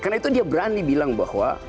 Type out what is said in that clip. karena itu dia berani bilang bahwa